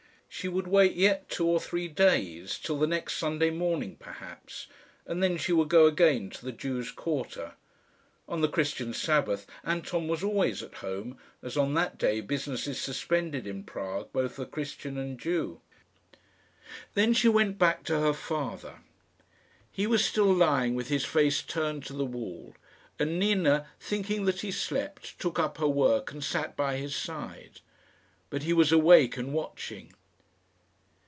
She would wait yet two or three days till the next Sunday morning perhaps and then she would go again to the Jews' quarter. On the Christian Sabbath Anton was always at home, as on that day business is suspended in Prague both for Christian and Jew. Then she went back to her father. He was still lying with his face turned to the wall, and Nina, thinking that he slept, took up her work and sat by his side. But he was awake, and watching.